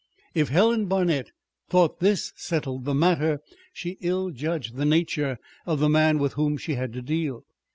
If Helen Barnet thought this settled the matter, she ill judged the nature of the man with whom she had to deal.